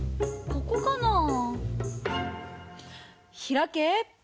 ここかなぁ？